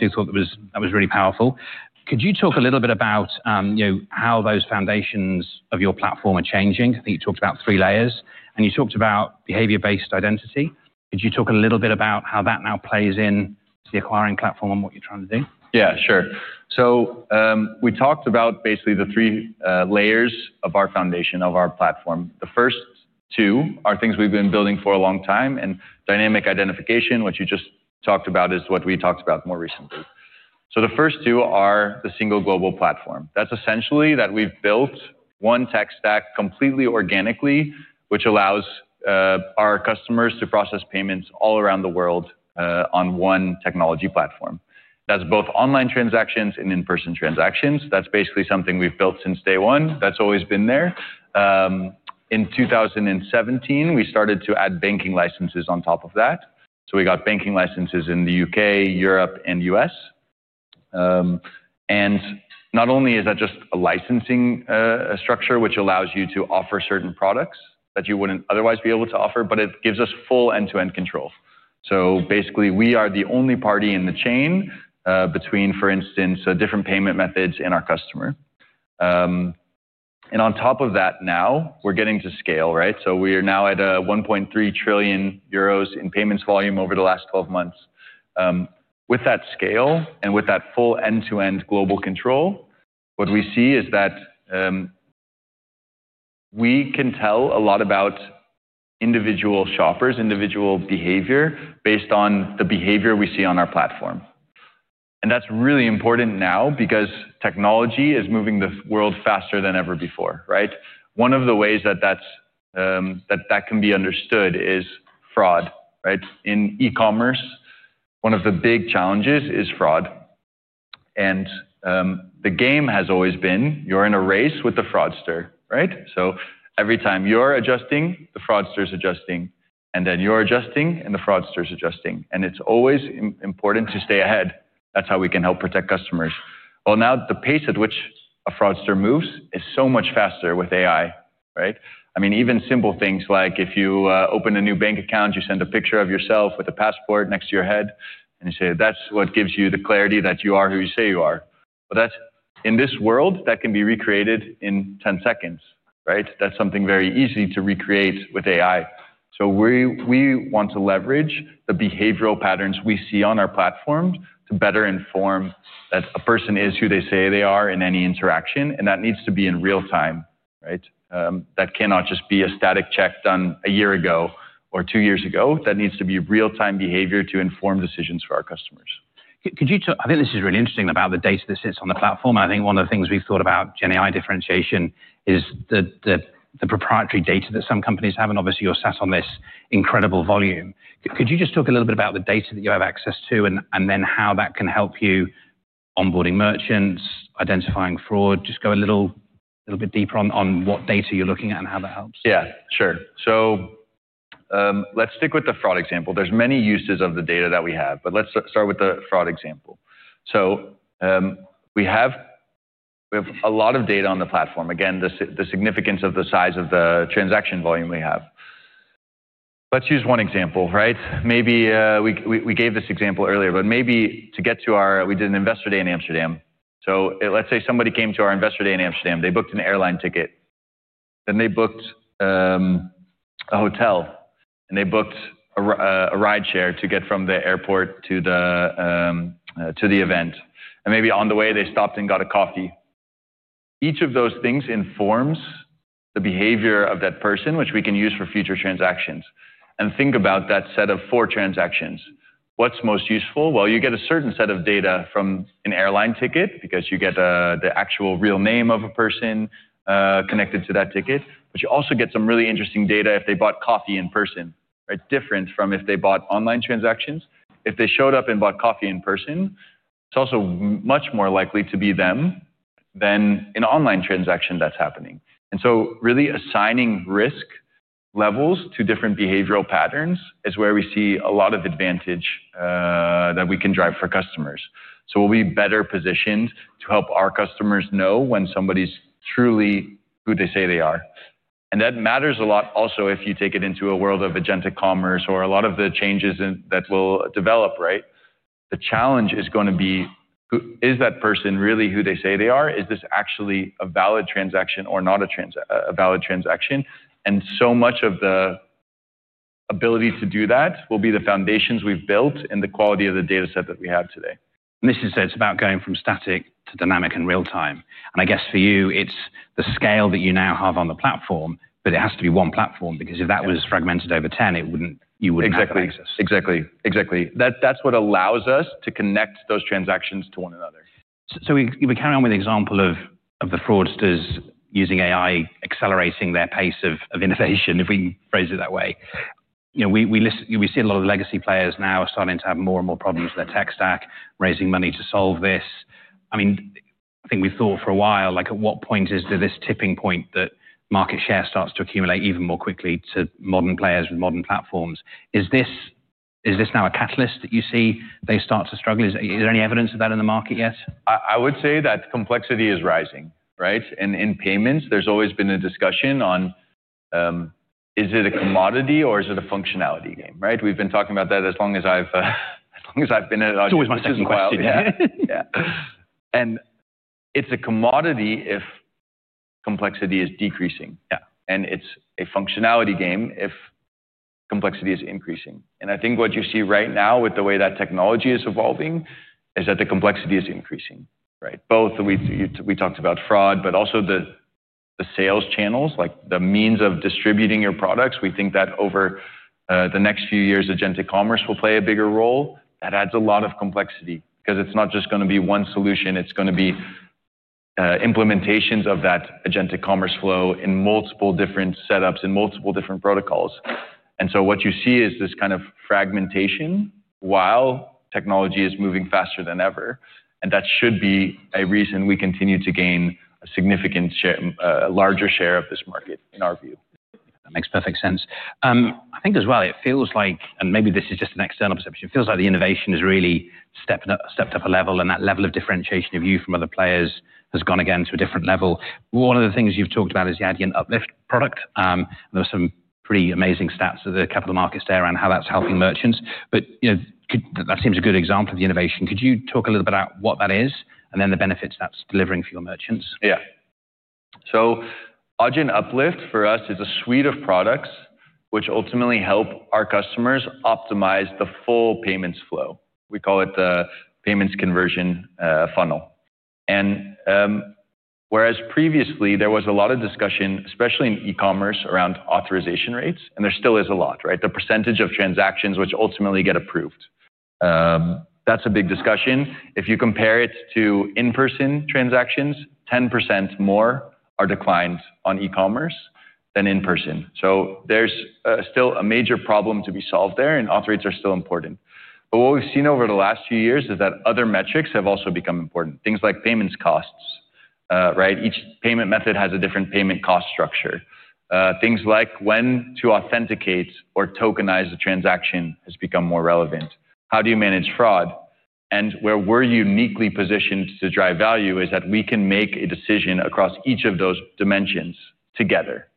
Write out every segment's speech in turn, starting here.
You thought that was really powerful. Could you talk a little bit about how those foundations of your platform are changing? I think you talked about three layers, and you talked about behavior-based identity. Could you talk a little bit about how that now plays into the acquiring platform and what you're trying to do? Yeah, sure. So we talked about basically the three layers of our foundation, of our platform. The first two are things we've been building for a long time, and dynamic identification, what you just talked about, is what we talked about more recently. The first two are the single global platform. That's essentially that we've built one tech stack completely organically, which allows our customers to process payments all around the world on one technology platform. That's both online transactions and in-person transactions. That's basically something we've built since day one. That's always been there. In 2017, we started to add banking licenses on top of that. We got banking licenses in the U.K., Europe, and U.S. Not only is that just a licensing structure, which allows you to offer certain products that you wouldn't otherwise be able to offer, but it gives us full end-to-end control. Basically, we are the only party in the chain between, for instance, different payment methods and our customer. On top of that, now we're getting to scale, right? We are now at 1.3 trillion euros in payments volume over the last 12 months. With that scale and with that full end-to-end global control, what we see is that we can tell a lot about individual shoppers, individual behavior, based on the behavior we see on our platform. That's really important now because technology is moving the world faster than ever before, right? One of the ways that that can be understood is fraud, right? In e-commerce, one of the big challenges is fraud. The game has always been you're in a race with the fraudster, right? Every time you're adjusting, the fraudster's adjusting, and then you're adjusting, and the fraudster's adjusting. It is always important to stay ahead. That is how we can help protect customers. Now the pace at which a fraudster moves is so much faster with AI, right? I mean, even simple things like if you open a new bank account, you send a picture of yourself with a passport next to your head, and you say, "That is what gives you the clarity that you are who you say you are." In this world, that can be recreated in 10 seconds, right? That is something very easy to recreate with AI. We want to leverage the behavioral patterns we see on our platforms to better inform that a person is who they say they are in any interaction, and that needs to be in real time, right? That cannot just be a static check done a year ago or two years ago. That needs to be real-time behavior to inform decisions for our customers. I think this is really interesting about the data that sits on the platform. I think one of the things we've thought about, GenAI differentiation, is the proprietary data that some companies have, and obviously, you're sat on this incredible volume. Could you just talk a little bit about the data that you have access to and then how that can help you onboarding merchants, identifying fraud? Just go a little bit deeper on what data you're looking at and how that helps. Yeah, sure. Let's stick with the fraud example. There are many uses of the data that we have, but let's start with the fraud example. We have a lot of data on the platform. Again, the significance of the size of the transaction volume we have. Let's use one example, right? Maybe we gave this example earlier, but maybe to get to our—we did an investor day in Amsterdam. Let's say somebody came to our investor day in Amsterdam. They booked an airline ticket, then they booked a hotel, and they booked a rideshare to get from the airport to the event. Maybe on the way, they stopped and got a coffee. Each of those things informs the behavior of that person, which we can use for future transactions. Think about that set of four transactions. What's most useful? You get a certain set of data from an airline ticket because you get the actual real name of a person connected to that ticket, but you also get some really interesting data if they bought coffee in person, right? Different from if they bought online transactions. If they showed up and bought coffee in person, it's also much more likely to be them than an online transaction that's happening. Really assigning risk levels to different behavioral patterns is where we see a lot of advantage that we can drive for customers. We will be better positioned to help our customers know when somebody's truly who they say they are. That matters a lot also if you take it into a world of agentic commerce or a lot of the changes that will develop, right? The challenge is going to be, is that person really who they say they are? Is this actually a valid transaction or not a valid transaction? So much of the ability to do that will be the foundations we've built and the quality of the data set that we have today. This is about going from static to dynamic and real time. I guess for you, it is the scale that you now have on the platform, but it has to be one platform because if that was fragmented over 10, you would not have that access. Exactly. That's what allows us to connect those transactions to one another. We carry on with the example of the fraudsters using AI, accelerating their pace of innovation, if we phrase it that way. We see a lot of legacy players now starting to have more and more problems with their tech stack, raising money to solve this. I mean, I think we thought for a while, at what point is there this tipping point that market share starts to accumulate even more quickly to modern players and modern platforms? Is this now a catalyst that you see they start to struggle? Is there any evidence of that in the market yet? I would say that complexity is rising, right? In payments, there's always been a discussion on, is it a commodity or is it a functionality game, right? We've been talking about that as long as I've been at. It's always my second question. Yeah. It is a commodity if complexity is decreasing. It is a functionality game if complexity is increasing. I think what you see right now with the way that technology is evolving is that the complexity is increasing, right? Both we talked about fraud, but also the sales channels, like the means of distributing your products. We think that over the next few years, agentic commerce will play a bigger role. That adds a lot of complexity because it is not just going to be one solution. It is going to be implementations of that agentic commerce flow in multiple different setups, in multiple different protocols. What you see is this kind of fragmentation while technology is moving faster than ever. That should be a reason we continue to gain a significantly larger share of this market, in our view. Makes perfect sense. I think as well, it feels like, and maybe this is just an external perception, it feels like the innovation has really stepped up a level, and that level of differentiation of you from other players has gone again to a different level. One of the things you've talked about is the Adyen Uplift product. There were some pretty amazing stats of the capital markets there and how that's helping merchants. That seems a good example of the innovation. Could you talk a little bit about what that is and then the benefits that's delivering for your merchants? Yeah. So Adyen Uplift, for us, is a suite of products which ultimately help our customers optimize the full payments flow. We call it the payments conversion funnel. Whereas previously, there was a lot of discussion, especially in e-commerce, around authorization rates, and there still is a lot, right? The percentage of transactions which ultimately get approved. That's a big discussion. If you compare it to in-person transactions, 10% more are declined on e-commerce than in-person. There is still a major problem to be solved there, and authorization is still important. What we've seen over the last few years is that other metrics have also become important. Things like payments costs, right? Each payment method has a different payment cost structure. Things like when to authenticate or tokenize the transaction has become more relevant. How do you manage fraud? Where we're uniquely positioned to drive value is that we can make a decision across each of those dimensions together.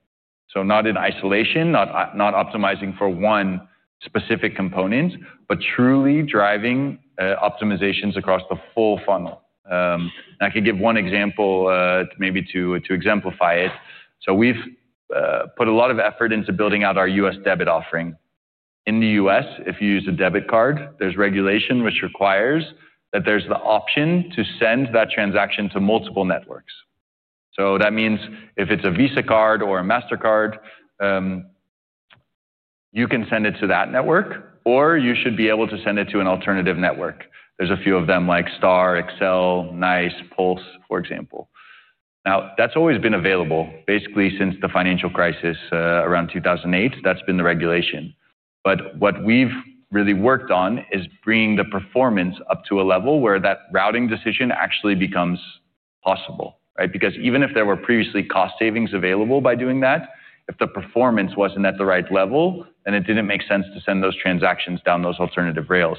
Not in isolation, not optimizing for one specific component, but truly driving optimizations across the full funnel. I can give one example maybe to exemplify it. We've put a lot of effort into building out our U.S. debit offering. In the U.S., if you use a debit card, there's regulation which requires that there's the option to send that transaction to multiple networks. That means if it's a Visa card or a Mastercard, you can send it to that network, or you should be able to send it to an alternative network. There are a few of them like Star, Accel, Nyce, Pulse, for example. That's always been available basically since the financial crisis around 2008. That's been the regulation. What we've really worked on is bringing the performance up to a level where that routing decision actually becomes possible, right? Because even if there were previously cost savings available by doing that, if the performance was not at the right level, then it did not make sense to send those transactions down those alternative rails.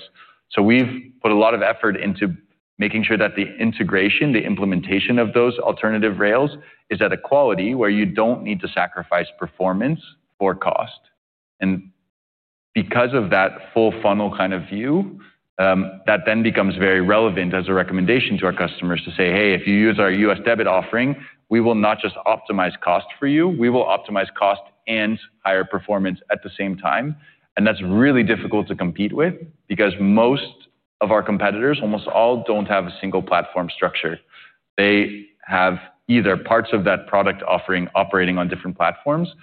We have put a lot of effort into making sure that the integration, the implementation of those alternative rails is at a quality where you do not need to sacrifice performance for cost. Because of that full funnel kind of view, that then becomes very relevant as a recommendation to our customers to say, "Hey, if you use our U.S. debit offering, we will not just optimize cost for you. We will optimize cost and higher performance at the same time. That is really difficult to compete with because most of our competitors, almost all, do not have a single platform structure. They have either parts of that product offering operating on different platforms, or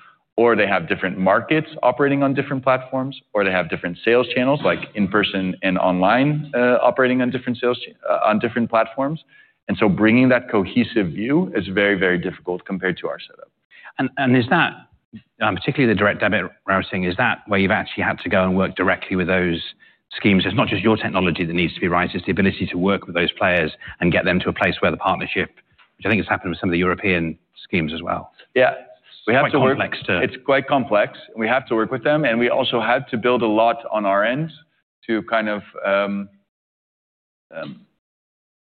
they have different markets operating on different platforms, or they have different sales channels like in-person and online operating on different platforms. Bringing that cohesive view is very, very difficult compared to our setup. Particularly the direct debit routing, is that where you've actually had to go and work directly with those schemes? It's not just your technology that needs to be right. It's the ability to work with those players and get them to a place where the partnership, which I think has happened with some of the European schemes as well. Yeah. It's quite complex. It's quite complex. We have to work with them, and we also had to build a lot on our end to kind of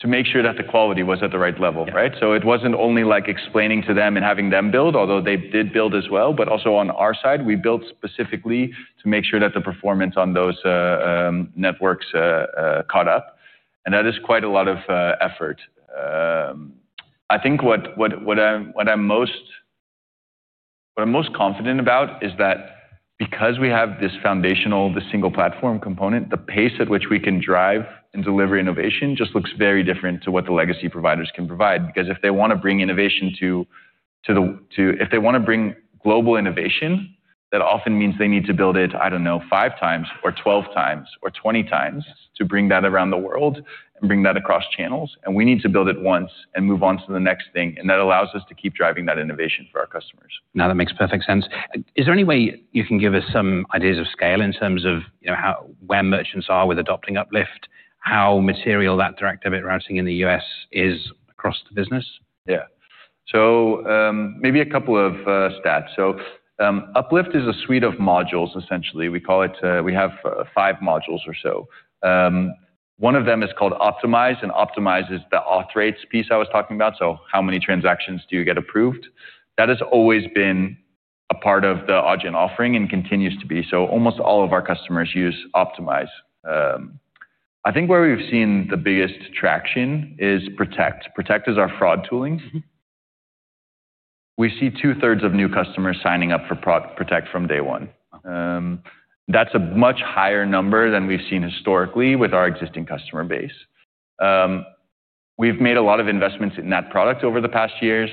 make sure that the quality was at the right level, right? It was not only like explaining to them and having them build, although they did build as well, but also on our side, we built specifically to make sure that the performance on those networks caught up. That is quite a lot of effort. I think what I am most confident about is that because we have this foundational, the single platform component, the pace at which we can drive and deliver innovation just looks very different to what the legacy providers can provide. Because if they want to bring innovation to—if they want to bring global innovation, that often means they need to build it, I don't know, 5x or 12x or 20x to bring that around the world and bring that across channels. We need to build it once and move on to the next thing. That allows us to keep driving that innovation for our customers. Now, that makes perfect sense. Is there any way you can give us some ideas of scale in terms of where merchants are with adopting Uplift, how material that direct debit routing in the U.S. is across the business? Yeah. Maybe a couple of stats. Uplift is a suite of modules, essentially. We have five modules or so. One of them is called Optimize, and Optimize is the auth rates piece I was talking about. How many transactions do you get approved? That has always been a part of the Adyen offering and continues to be. Almost all of our customers use Optimize. I think where we've seen the biggest traction is Protect. Protect is our fraud tooling. We see 2/3 of new customers signing up for Protect from day one. That is a much higher number than we've seen historically with our existing customer base. We've made a lot of investments in that product over the past years.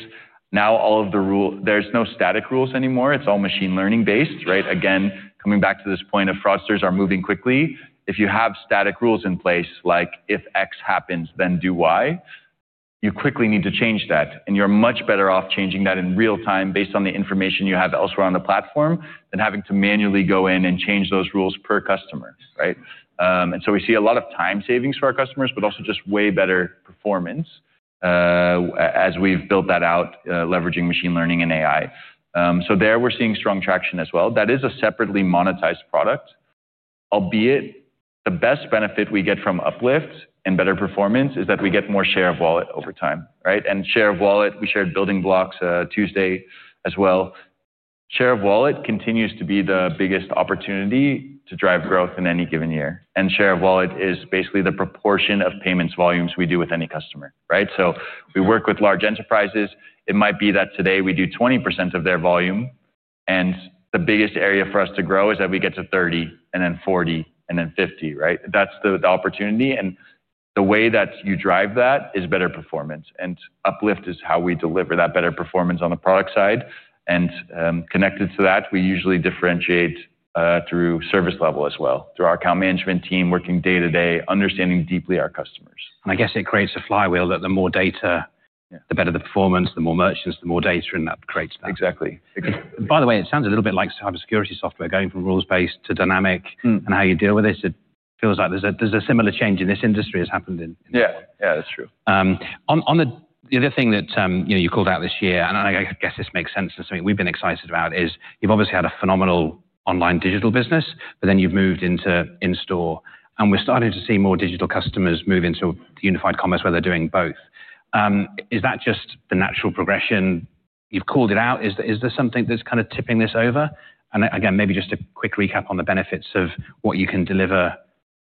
Now, all of the rules—there are no static rules anymore. It is all machine learning-based, right? Again, coming back to this point of fraudsters are moving quickly. If you have static rules in place, like if X happens, then do Y, you quickly need to change that. You are much better off changing that in real time based on the information you have elsewhere on the platform than having to manually go in and change those rules per customer, right? We see a lot of time savings for our customers, but also just way better performance as we have built that out, leveraging machine learning and AI. There, we are seeing strong traction as well. That is a separately monetized product, albeit the best benefit we get from Uplift and better performance is that we get more share of wallet over time, right? Share of wallet, we shared building blocks Tuesday as well. Share of wallet continues to be the biggest opportunity to drive growth in any given year. Share of wallet is basically the proportion of payments volumes we do with any customer, right? We work with large enterprises. It might be that today we do 20% of their volume, and the biggest area for us to grow is that we get to 30%, and then 40%, and then 50%, right? That is the opportunity. The way that you drive that is better performance. Uplift is how we deliver that better performance on the product side. Connected to that, we usually differentiate through service level as well, through our account management team working day to day, understanding deeply our customers. I guess it creates a flywheel that the more data, the better the performance, the more merchants, the more data in that creates that. Exactly. By the way, it sounds a little bit like cybersecurity software going from rules-based to dynamic and how you deal with it. It feels like there's a similar change in this industry has happened in this one. Yeah. Yeah, that's true. The other thing that you called out this year, and I guess this makes sense to something we've been excited about, is you've obviously had a phenomenal online digital business, but then you've moved into in-store. We're starting to see more digital customers move into unified commerce where they're doing both. Is that just the natural progression? You've called it out. Is there something that's kind of tipping this over? Maybe just a quick recap on the benefits of what you can deliver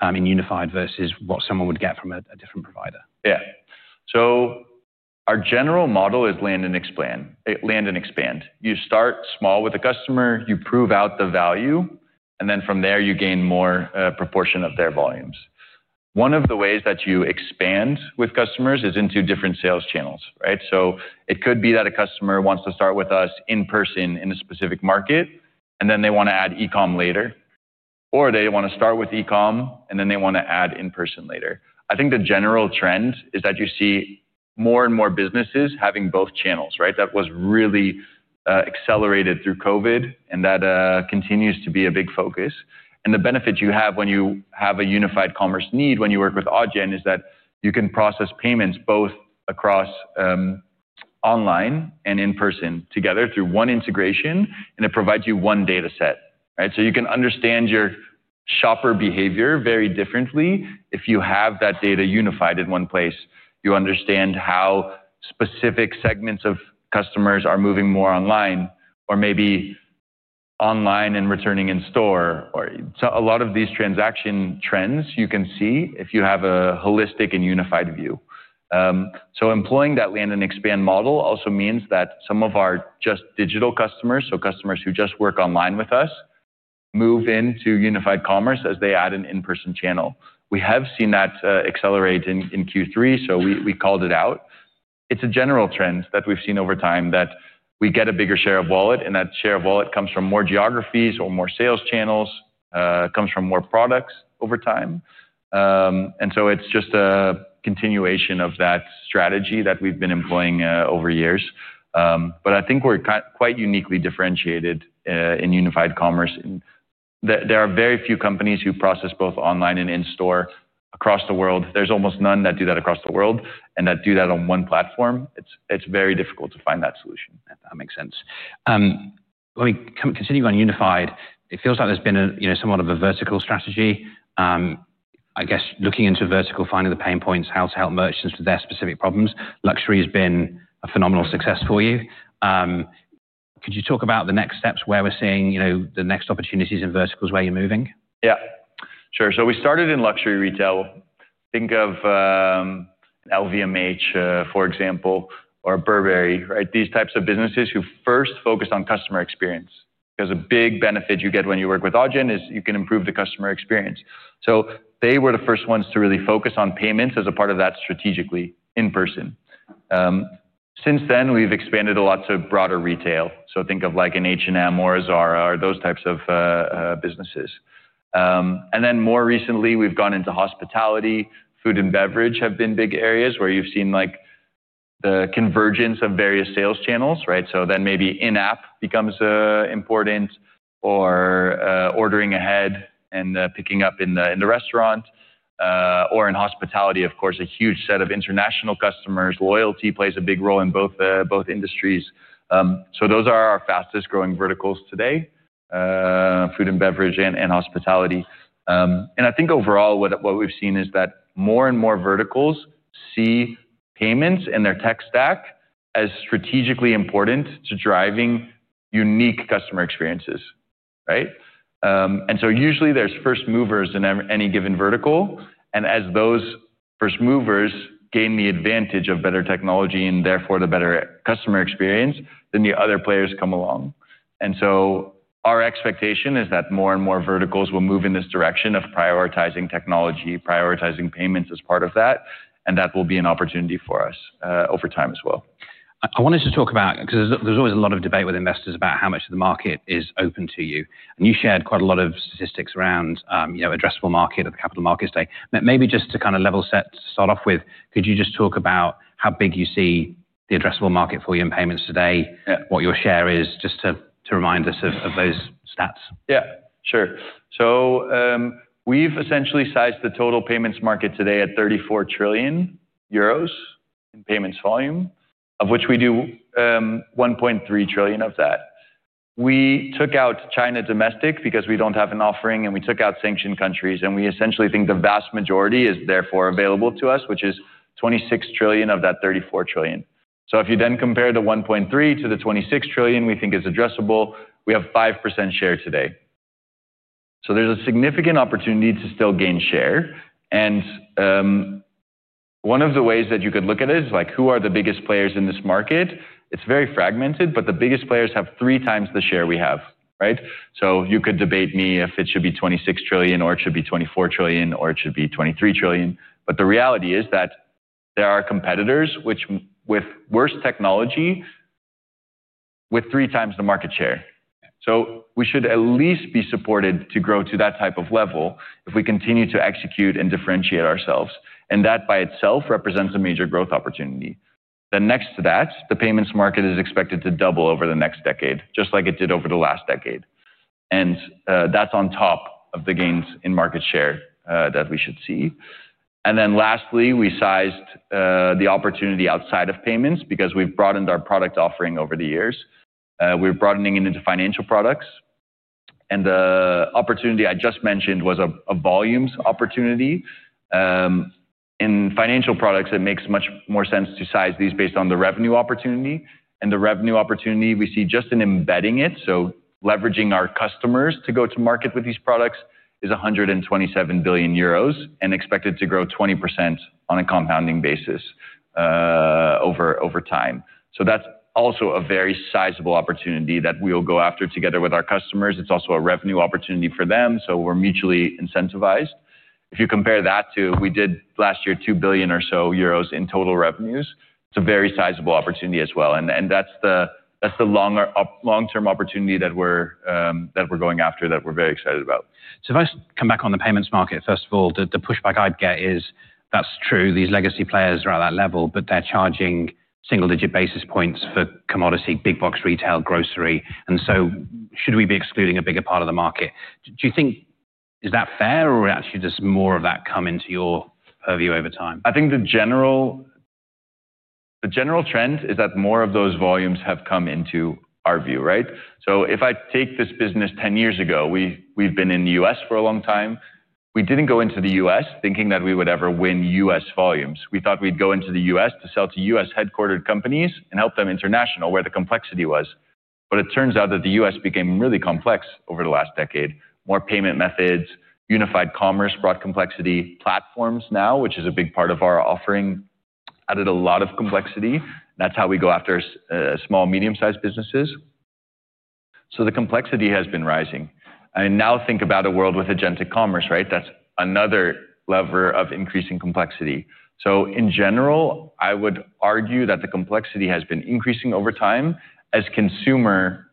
in unified versus what someone would get from a different provider. Yeah. Our general model is land and expand. You start small with a customer. You prove out the value, and then from there, you gain more proportion of their volumes. One of the ways that you expand with customers is into different sales channels, right? It could be that a customer wants to start with us in person in a specific market, and then they want to add e-com later, or they want to start with e-com, and then they want to add in person later. I think the general trend is that you see more and more businesses having both channels, right? That was really accelerated through COVID, and that continues to be a big focus. The benefit you have when you have a unified commerce need when you work with Adyen is that you can process payments both across online and in person together through one integration, and it provides you one data set, right? You can understand your shopper behavior very differently if you have that data unified in one place. You understand how specific segments of customers are moving more online or maybe online and returning in store. A lot of these transaction trends you can see if you have a holistic and unified view. Employing that land and expand model also means that some of our just digital customers, so customers who just work online with us, move into unified commerce as they add an in-person channel. We have seen that accelerate in Q3, so we called it out. It's a general trend that we've seen over time that we get a bigger share of wallet, and that share of wallet comes from more geographies or more sales channels, comes from more products over time. It's just a continuation of that strategy that we've been employing over years. I think we're quite uniquely differentiated in unified commerce. There are very few companies who process both online and in store across the world. There's almost none that do that across the world and that do that on one platform. It's very difficult to find that solution. That makes sense. Let me continue on unified. It feels like there's been somewhat of a vertical strategy. I guess looking into vertical, finding the pain points, how to help merchants with their specific problems, luxury has been a phenomenal success for you. Could you talk about the next steps where we're seeing the next opportunities in verticals where you're moving? Yeah. Sure. So we started in luxury retail. Think of LVMH, for example, or Burberry, right? These types of businesses who first focused on customer experience. Because a big benefit you get when you work with Adyen is you can improve the customer experience. They were the first ones to really focus on payments as a part of that strategically in person. Since then, we've expanded a lot to broader retail. Think of like an H&M or a Zara or those types of businesses. More recently, we've gone into hospitality. Food and beverage have been big areas where you've seen the convergence of various sales channels, right? Maybe in-app becomes important or ordering ahead and picking up in the restaurant or in hospitality, of course, a huge set of international customers. Loyalty plays a big role in both industries. Those are our fastest growing verticals today: food and beverage and hospitality. I think overall, what we've seen is that more and more verticals see payments and their tech stack as strategically important to driving unique customer experiences, right? Usually there's first movers in any given vertical. As those first movers gain the advantage of better technology and therefore the better customer experience, the other players come along. Our expectation is that more and more verticals will move in this direction of prioritizing technology, prioritizing payments as part of that, and that will be an opportunity for us over time as well. I wanted to talk about, because there's always a lot of debate with investors about how much of the market is open to you. You shared quite a lot of statistics around addressable market at the capital markets day. Maybe just to kind of level set, to start off with, could you just talk about how big you see the addressable market for you in payments today, what your share is, just to remind us of those stats? Yeah, sure. So we've essentially sized the total payments market today at 34 trillion euros in payments volume, of which we do 1.3 trillion of that. We took out China domestic because we don't have an offering, and we took out sanctioned countries. We essentially think the vast majority is therefore available to us, which is 26 trillion of that 34 trillion. If you then compare the 1.3 trillion to the 26 trillion we think is addressable, we have 5% share today. There's a significant opportunity to still gain share. One of the ways that you could look at it is like, who are the biggest players in this market? It's very fragmented, but the biggest players have 3x the share we have, right? You could debate me if it should be $26 trillion or it should be $24 trillion or it should be $23 trillion. The reality is that there are competitors with worse technology with 3x the market share. We should at least be supported to grow to that type of level if we continue to execute and differentiate ourselves. That by itself represents a major growth opportunity. Next to that, the payments market is expected to double over the next decade, just like it did over the last decade. That is on top of the gains in market share that we should see. Lastly, we sized the opportunity outside of payments because we have broadened our product offering over the years. We are broadening into financial products. The opportunity I just mentioned was a volumes opportunity. In financial products, it makes much more sense to size these based on the revenue opportunity. The revenue opportunity we see just in embedding it, so leveraging our customers to go to market with these products, is 127 billion euros and expected to grow 20% on a compounding basis over time. That is also a very sizable opportunity that we will go after together with our customers. It is also a revenue opportunity for them. We are mutually incentivized. If you compare that to we did last year 2 billion or so in total revenues, it is a very sizable opportunity as well. That is the long-term opportunity that we are going after that we are very excited about. If I come back on the payments market, first of all, the pushback I'd get is that's true. These legacy players are at that level, but they're charging single-digit basis points for commodity, big box retail, grocery. Should we be excluding a bigger part of the market? Do you think is that fair or actually does more of that come into your purview over time? I think the general trend is that more of those volumes have come into our view, right? If I take this business 10 years ago, we've been in the U.S. for a long time. We didn't go into the U.S. thinking that we would ever win U.S. volumes. We thought we'd go into the U.S. to sell to U.S. headquartered companies and help them international where the complexity was. It turns out that the U.S. became really complex over the last decade. More payment methods, unified commerce brought complexity. Platforms now, which is a big part of our offering, added a lot of complexity. That is how we go after small, medium-sized businesses. The complexity has been rising. Now think about a world with agentic commerce, right? That is another lever of increasing complexity. In general, I would argue that the complexity has been increasing over time as consumer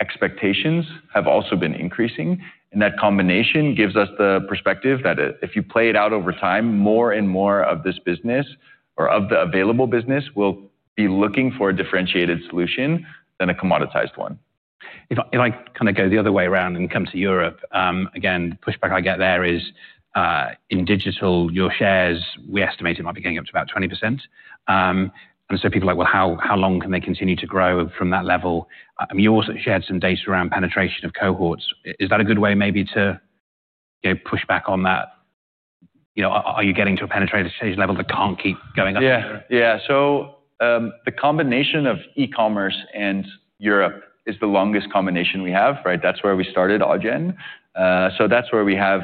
expectations have also been increasing. That combination gives us the perspective that if you play it out over time, more and more of this business or of the available business will be looking for a differentiated solution than a commoditized one. If I kind of go the other way around and come to Europe, again, the pushback I get there is in digital, your shares, we estimate it might be going up to about 20%. And so people are like, well, how long can they continue to grow from that level? I mean, you also shared some data around penetration of cohorts. Is that a good way maybe to push back on that? Are you getting to a penetration level that can't keep going up? Yeah. Yeah. So the combination of e-commerce and Europe is the longest combination we have, right? That's where we started Adyen. So that's where we have,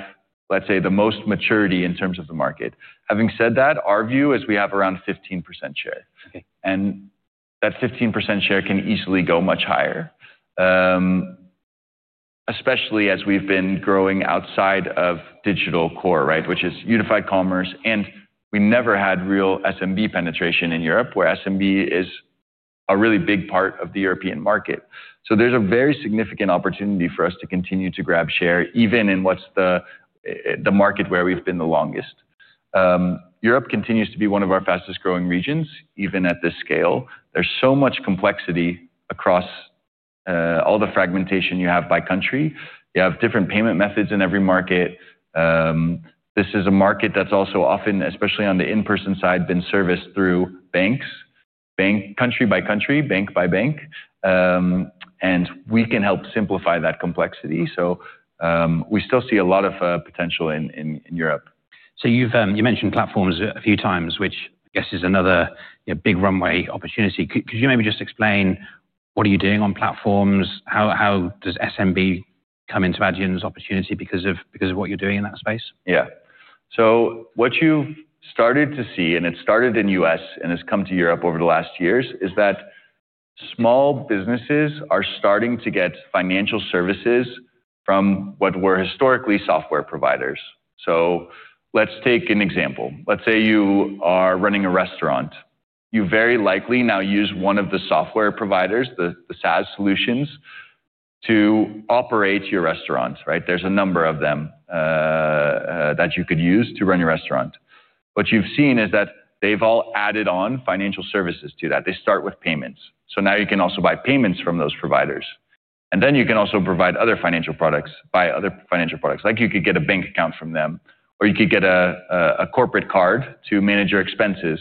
let's say, the most maturity in terms of the market. Having said that, our view is we have around 15% share. And that 15% share can easily go much higher, especially as we've been growing outside of digital core, right, which is unified commerce. And we never had real SMB penetration in Europe where SMB is a really big part of the European market. So there's a very significant opportunity for us to continue to grab share even in what's the market where we've been the longest. Europe continues to be one of our fastest growing regions, even at this scale. There's so much complexity across all the fragmentation you have by country. You have different payment methods in every market. This is a market that's also often, especially on the in-person side, been serviced through banks, country by country, bank by bank. We can help simplify that complexity. We still see a lot of potential in Europe. You mentioned platforms a few times, which I guess is another big runway opportunity. Could you maybe just explain what are you doing on platforms? How does SMB come into Adyen's opportunity because of what you're doing in that space? Yeah. What you've started to see, and it started in the U.S. and has come to Europe over the last years, is that small businesses are starting to get financial services from what were historically software providers. Let's take an example. Let's say you are running a restaurant. You very likely now use one of the software providers, the SaaS solutions, to operate your restaurant, right? There's a number of them that you could use to run your restaurant. What you've seen is that they've all added on financial services to that. They start with payments. Now you can also buy payments from those providers. You can also provide other financial products, buy other financial products. Like you could get a bank account from them, or you could get a corporate card to manage your expenses.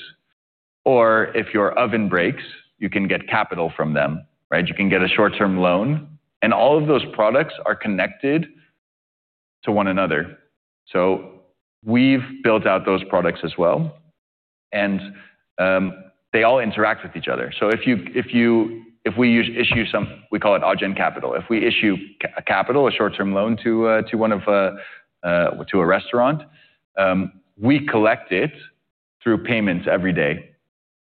If your oven breaks, you can get capital from them, right? You can get a short-term loan. All of those products are connected to one another. We have built out those products as well. They all interact with each other. If we issue some, we call it Adyen Capital. If we issue a capital, a short-term loan to a restaurant, we collect it through payments every day.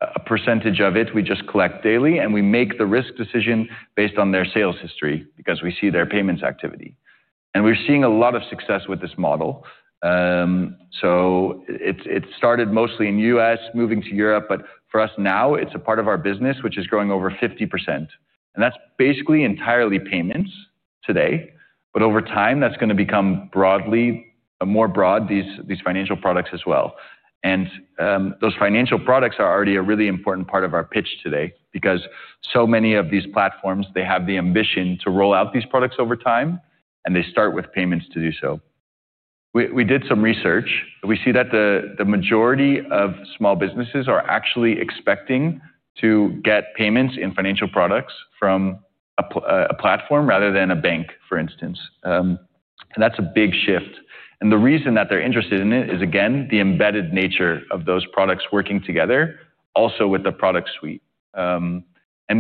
A percentage of it we just collect daily, and we make the risk decision based on their sales history because we see their payments activity. We are seeing a lot of success with this model. It started mostly in the U.S., moving to Europe, but for us now, it is a part of our business, which is growing over 50%. That is basically entirely payments today. Over time, that's going to become more broad, these financial products as well. Those financial products are already a really important part of our pitch today because so many of these platforms, they have the ambition to roll out these products over time, and they start with payments to do so. We did some research. We see that the majority of small businesses are actually expecting to get payments and financial products from a platform rather than a bank, for instance. That's a big shift. The reason that they're interested in it is, again, the embedded nature of those products working together, also with the product suite.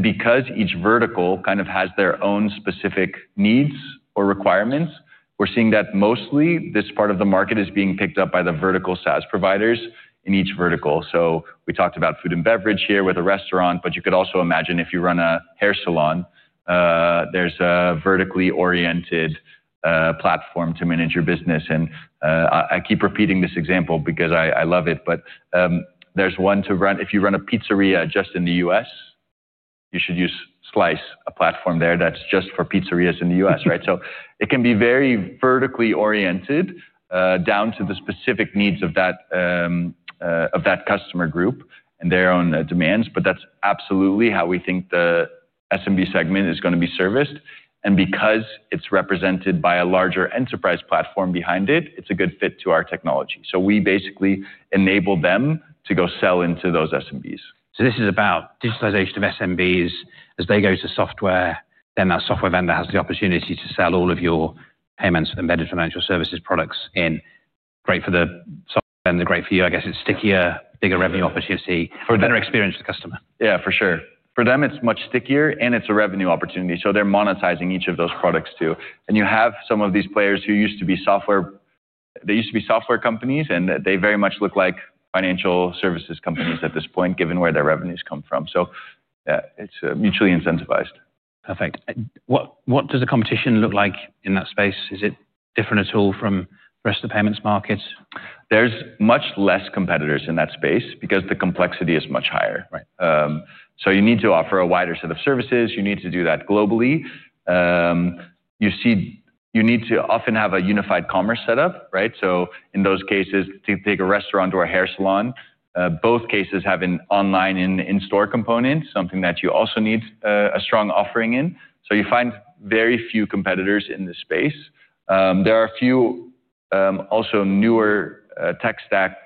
Because each vertical kind of has their own specific needs or requirements, we're seeing that mostly this part of the market is being picked up by the vertical SaaS providers in each vertical. We talked about food and beverage here with a restaurant, but you could also imagine if you run a hair salon, there's a vertically oriented platform to manage your business. I keep repeating this example because I love it, but there's one to run. If you run a pizzeria just in the U.S., you should use Slice, a platform there that's just for pizzerias in the U.S., right? It can be very vertically oriented down to the specific needs of that customer group and their own demands. That's absolutely how we think the SMB segment is going to be serviced. Because it's represented by a larger enterprise platform behind it, it's a good fit to our technology. We basically enable them to go sell into those SMBs. This is about digitalization of SMBs as they go to software, then that software vendor has the opportunity to sell all of your payments embedded financial services products in. Great for the software vendor, great for you. I guess it's stickier, bigger revenue opportunity for a better experience for the customer. Yeah, for sure. For them, it's much stickier, and it's a revenue opportunity. They're monetizing each of those products too. You have some of these players who used to be software, they used to be software companies, and they very much look like financial services companies at this point, given where their revenues come from. It's mutually incentivized. Perfect. What does the competition look like in that space? Is it different at all from the rest of the payments markets? There's much less competitors in that space because the complexity is much higher. You need to offer a wider set of services. You need to do that globally. You need to often have a unified commerce setup, right? In those cases, to take a restaurant or a hair salon, both cases have an online in-store component, something that you also need a strong offering in. You find very few competitors in this space. There are a few also newer tech stack,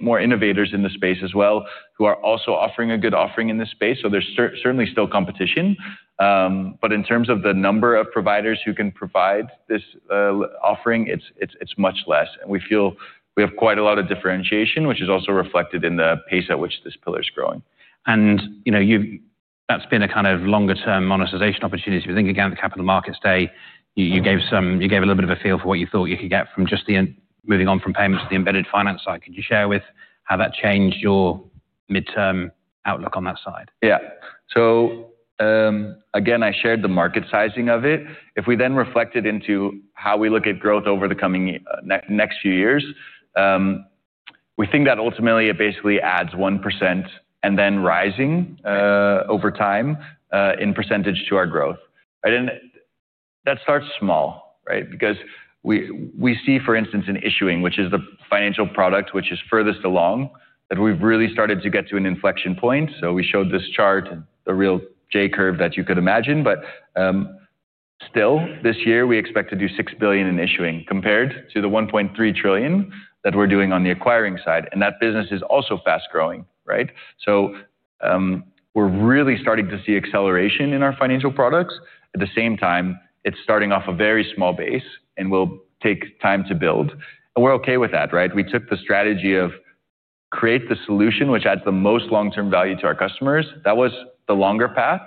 more innovators in the space as well, who are also offering a good offering in this space. There's certainly still competition. In terms of the number of providers who can provide this offering, it's much less. We feel we have quite a lot of differentiation, which is also reflected in the pace at which this pillar is growing. That has been a kind of longer-term monetization opportunity. If you think again of the capital markets day, you gave a little bit of a feel for what you thought you could get from just moving on from payments to the embedded finance side. Could you share how that changed your midterm outlook on that side? Yeah. So again, I shared the market sizing of it. If we then reflect it into how we look at growth over the coming next few years, we think that ultimately it basically adds 1% and then rising over time in percentage to our growth. That starts small, right? Because we see, for instance, in issuing, which is the financial product which is furthest along, that we've really started to get to an inflection point. We showed this chart, the real J curve that you could imagine. Still, this year, we expect to do $6 billion in issuing compared to the $1.3 trillion that we're doing on the acquiring side. That business is also fast growing, right? We're really starting to see acceleration in our financial products. At the same time, it's starting off a very small base and will take time to build. We're okay with that, right? We took the strategy of create the solution which adds the most long-term value to our customers. That was the longer path.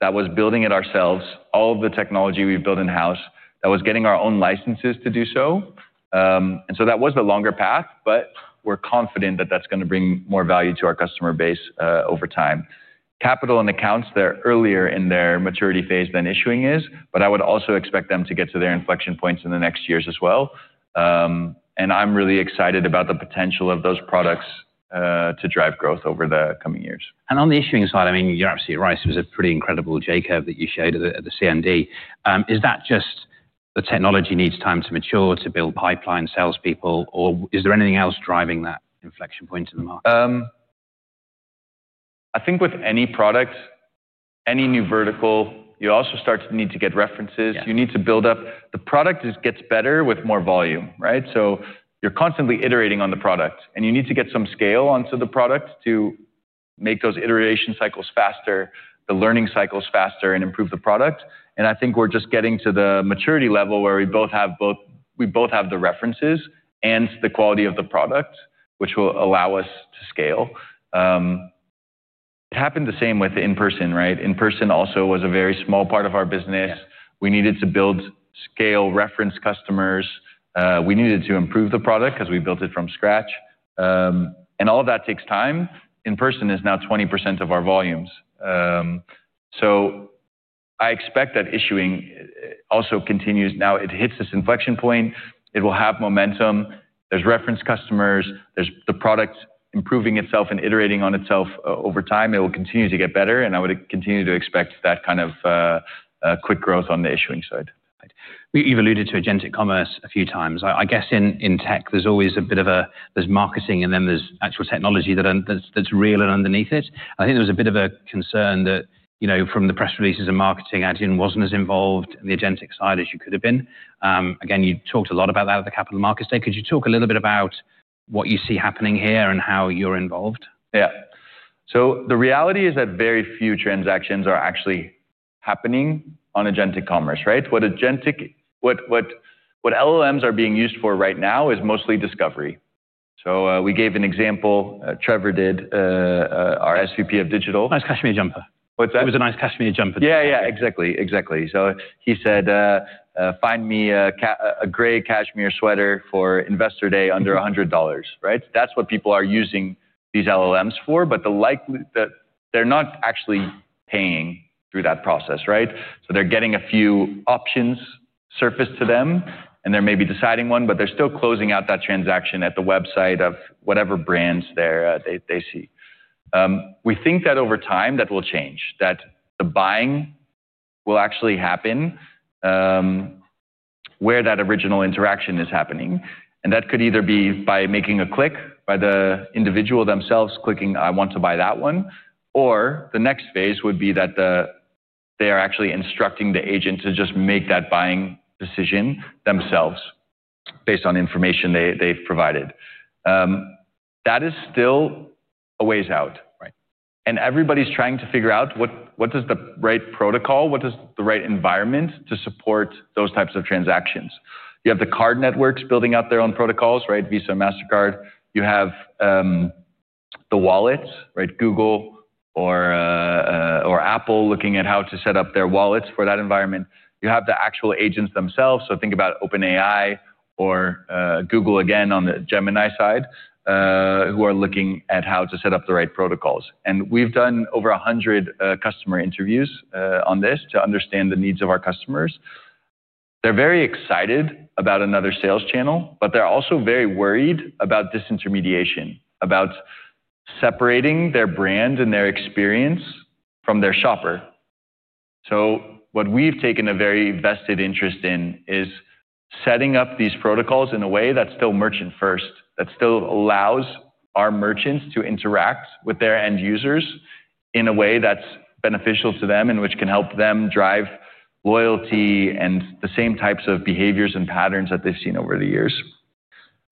That was building it ourselves, all of the technology we've built in-house. That was getting our own licenses to do so. That was the longer path, but we're confident that that's going to bring more value to our customer base over time. Capital and accounts, they're earlier in their maturity phase than issuing is, but I would also expect them to get to their inflection points in the next years as well. I'm really excited about the potential of those products to drive growth over the coming years. On the issuing side, I mean, you're absolutely right. It was a pretty incredible J curve that you showed at the CND. Is that just the technology needs time to mature to build pipeline salespeople, or is there anything else driving that inflection point in the market? I think with any product, any new vertical, you also start to need to get references. You need to build up. The product gets better with more volume, right? You are constantly iterating on the product. You need to get some scale onto the product to make those iteration cycles faster, the learning cycles faster, and improve the product. I think we are just getting to the maturity level where we both have the references and the quality of the product, which will allow us to scale. It happened the same with in-person, right? In-person also was a very small part of our business. We needed to build scale reference customers. We needed to improve the product because we built it from scratch. All of that takes time. In-person is now 20% of our volumes. I expect that issuing also continues. Now it hits this inflection point. It will have momentum. There are reference customers. There is the product improving itself and iterating on itself over time. It will continue to get better. I would continue to expect that kind of quick growth on the issuing side. You've alluded to agentic commerce a few times. I guess in tech, there's always a bit of a, there's marketing and then there's actual technology that's real and underneath it. I think there was a bit of a concern that from the press releases and marketing, Adyen wasn't as involved in the agentic side as you could have been. Again, you talked a lot about that at the Capital Markets Day. Could you talk a little bit about what you see happening here and how you're involved? Yeah. So the reality is that very few transactions are actually happening on agentic commerce, right? What LLMs are being used for right now is mostly discovery. We gave an example, Trevor did, our SVP of Digital. Nice cashmere jumper. What's that? It was a nice cashmere jumper. Yeah, yeah, exactly. Exactly. He said, "Find me a gray Kashmir sweater for investor day under $100," right? That's what people are using these LLMs for, but they're not actually paying through that process, right? They're getting a few options surfaced to them, and they're maybe deciding one, but they're still closing out that transaction at the website of whatever brands they see. We think that over time, that will change, that the buying will actually happen where that original interaction is happening. That could either be by making a click by the individual themselves clicking, "I want to buy that one," or the next phase would be that they are actually instructing the agent to just make that buying decision themselves based on information they've provided. That is still a ways out. Everybody's trying to figure out what is the right protocol, what is the right environment to support those types of transactions. You have the card networks building out their own protocols, right? Visa, Mastercard. You have the wallets, right? Google or Apple looking at how to set up their wallets for that environment. You have the actual agents themselves. Think about OpenAI or Google again on the Gemini side who are looking at how to set up the right protocols. We've done over 100 customer interviews on this to understand the needs of our customers. They're very excited about another sales channel, but they're also very worried about disintermediation, about separating their brand and their experience from their shopper. What we've taken a very vested interest in is setting up these protocols in a way that's still merchant-first, that still allows our merchants to interact with their end users in a way that's beneficial to them and which can help them drive loyalty and the same types of behaviors and patterns that they've seen over the years.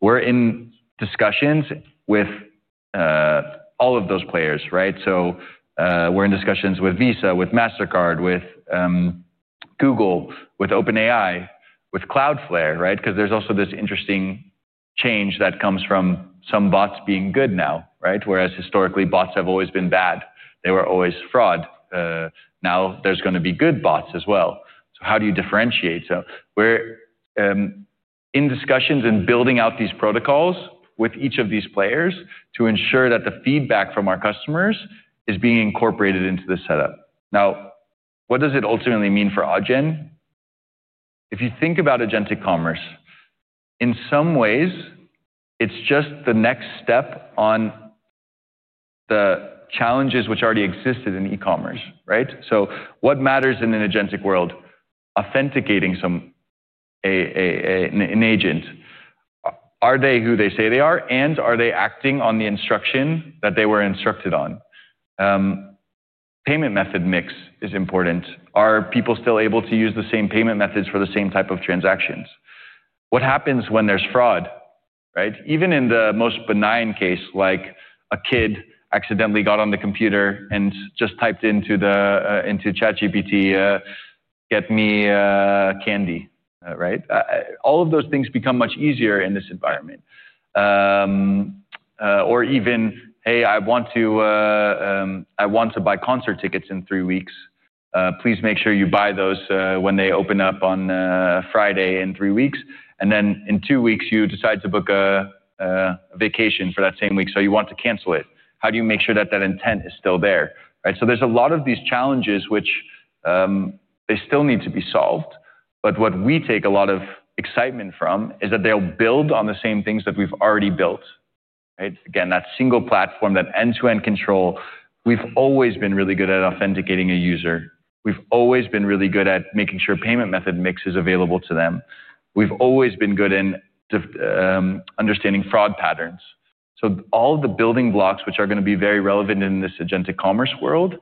We're in discussions with all of those players, right? We're in discussions with Visa, with Mastercard, with Google, with OpenAI, with Cloudflare, right? Because there's also this interesting change that comes from some bots being good now, right? Whereas historically, bots have always been bad. They were always fraud. Now there's going to be good bots as well. How do you differentiate? We're in discussions and building out these protocols with each of these players to ensure that the feedback from our customers is being incorporated into the setup. Now, what does it ultimately mean for Adyen? If you think about agentic commerce, in some ways, it's just the next step on the challenges which already existed in e-commerce, right? What matters in an agentic world? Authenticating an agent. Are they who they say they are, and are they acting on the instruction that they were instructed on? Payment method mix is important. Are people still able to use the same payment methods for the same type of transactions? What happens when there's fraud, right? Even in the most benign case, like a kid accidentally got on the computer and just typed into ChatGPT, "Get me candy," right? All of those things become much easier in this environment. Or even, "Hey, I want to buy concert tickets in three weeks. Please make sure you buy those when they open up on Friday in three weeks." In two weeks, you decide to book a vacation for that same week. You want to cancel it. How do you make sure that that intent is still there, right? There are a lot of these challenges which they still need to be solved. What we take a lot of excitement from is that they'll build on the same things that we've already built, right? Again, that single platform, that end-to-end control. We've always been really good at authenticating a user. We've always been really good at making sure payment method mix is available to them. We've always been good in understanding fraud patterns. All the building blocks which are going to be very relevant in this agentic commerce world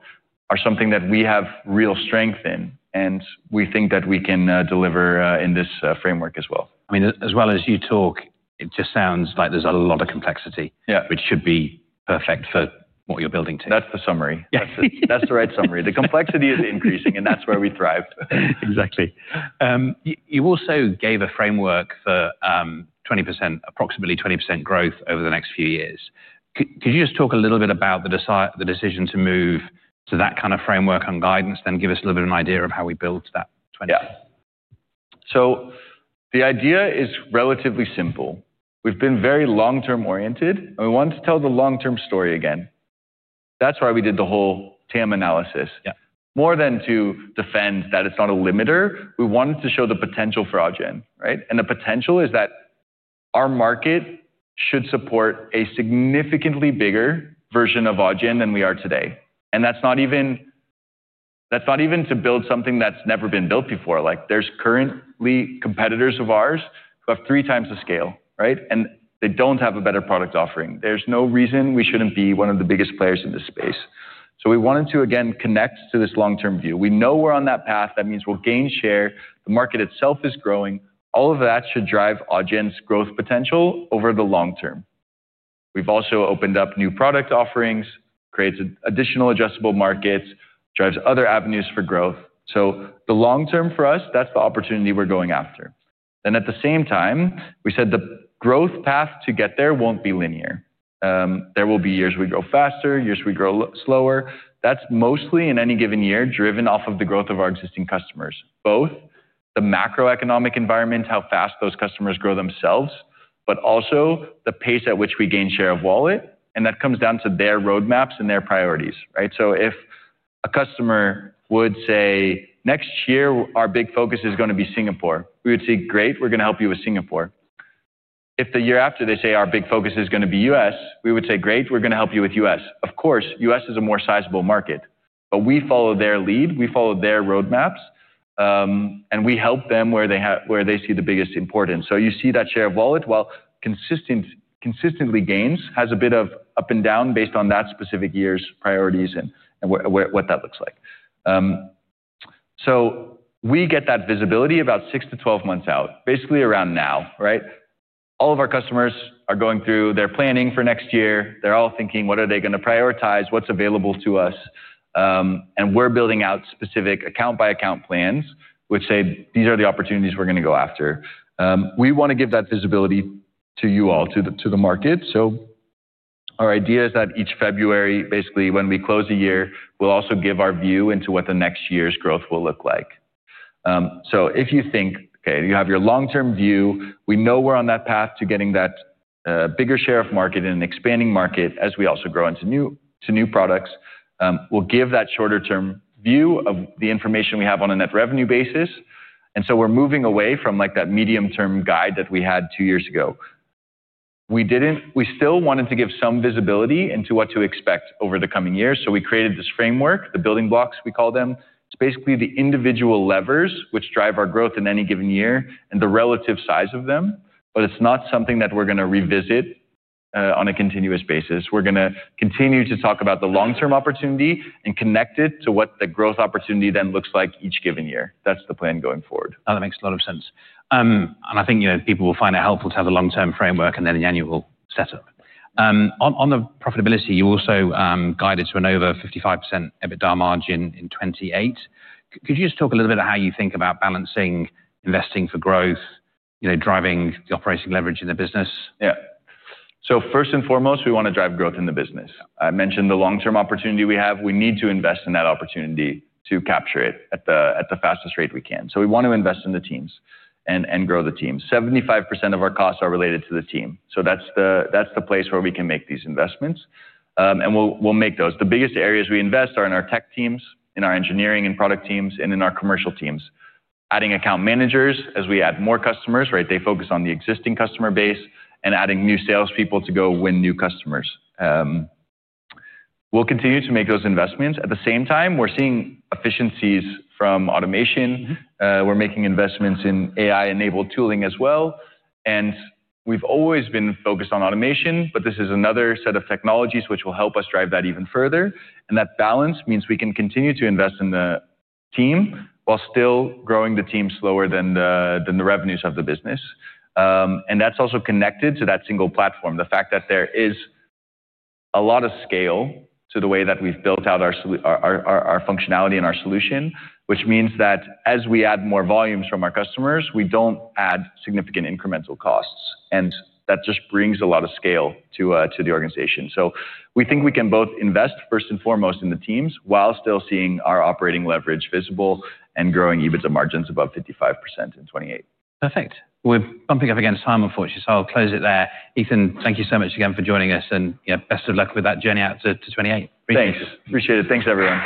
are something that we have real strength in. We think that we can deliver in this framework as well. I mean, as well as you talk, it just sounds like there's a lot of complexity, which should be perfect for what you're building today. That's the summary. That's the right summary. The complexity is increasing, and that's where we thrived. Exactly. You also gave a framework for approximately 20% growth over the next few years. Could you just talk a little bit about the decision to move to that kind of framework on guidance? Then give us a little bit of an idea of how we built that 20%. Yeah. The idea is relatively simple. We've been very long-term oriented, and we wanted to tell the long-term story again. That is why we did the whole TAM analysis. More than to defend that it is not a limiter, we wanted to show the potential for Adyen, right? The potential is that our market should support a significantly bigger version of Adyen than we are today. That is not even to build something that has never been built before. There are currently competitors of ours who have three times the scale, right? They do not have a better product offering. There is no reason we should not be one of the biggest players in this space. We wanted to, again, connect to this long-term view. We know we are on that path. That means we will gain share. The market itself is growing. All of that should drive Adyen's growth potential over the long term. We've also opened up new product offerings, created additional addressable markets, drives other avenues for growth. The long term for us, that's the opportunity we're going after. At the same time, we said the growth path to get there won't be linear. There will be years we grow faster, years we grow slower. That's mostly, in any given year, driven off of the growth of our existing customers, both the macroeconomic environment, how fast those customers grow themselves, but also the pace at which we gain share of wallet. That comes down to their roadmaps and their priorities, right? If a customer would say, "Next year, our big focus is going to be Singapore," we would say, "Great, we're going to help you with Singapore." If the year after they say, "Our big focus is going to be U.S.," we would say, "Great, we're going to help you with U.S.." Of course, U.S. is a more sizable market, but we follow their lead. We follow their roadmaps, and we help them where they see the biggest importance. You see that share of wallet consistently gains, has a bit of up and down based on that specific year's priorities and what that looks like. We get that visibility about 6-12 months out, basically around now, right? All of our customers are going through their planning for next year. They're all thinking, "What are they going to prioritize? What's available to us?" We are building out specific account-by-account plans, which say, "These are the opportunities we are going to go after." We want to give that visibility to you all, to the market. Our idea is that each February, basically when we close a year, we will also give our view into what the next year's growth will look like. If you think, "Okay, you have your long-term view, we know we are on that path to getting that bigger share of market and an expanding market as we also grow into new products," we will give that shorter-term view of the information we have on a net revenue basis. We are moving away from that medium-term guide that we had two years ago. We still wanted to give some visibility into what to expect over the coming years. We created this framework, the building blocks we call them. It's basically the individual levers which drive our growth in any given year and the relative size of them. It's not something that we're going to revisit on a continuous basis. We're going to continue to talk about the long-term opportunity and connect it to what the growth opportunity then looks like each given year. That's the plan going forward. That makes a lot of sense. I think people will find it helpful to have a long-term framework and then an annual setup. On the profitability, you also guided to an over 55% EBITDA margin in 2028. Could you just talk a little bit about how you think about balancing investing for growth, driving the operating leverage in the business? Yeah. First and foremost, we want to drive growth in the business. I mentioned the long-term opportunity we have. We need to invest in that opportunity to capture it at the fastest rate we can. We want to invest in the teams and grow the teams. 75% of our costs are related to the team. That's the place where we can make these investments. We'll make those. The biggest areas we invest are in our tech teams, in our engineering and product teams, and in our commercial teams. Adding account managers as we add more customers, right? They focus on the existing customer base and adding new salespeople to go win new customers. We'll continue to make those investments. At the same time, we're seeing efficiencies from automation. We're making investments in AI-enabled tooling as well. We have always been focused on automation, but this is another set of technologies which will help us drive that even further. That balance means we can continue to invest in the team while still growing the team slower than the revenues of the business. That is also connected to that single platform, the fact that there is a lot of scale to the way that we have built out our functionality and our solution, which means that as we add more volumes from our customers, we do not add significant incremental costs. That just brings a lot of scale to the organization. We think we can both invest first and foremost in the teams while still seeing our operating leverage visible and growing EBITDA margins above 55% in 2028. Perfect. We're bumping up against time, unfortunately, so I'll close it there. Ethan, thank you so much again for joining us, and best of luck with that journey out to 2028. Appreciate it. Thanks. Appreciate it. Thanks, everyone.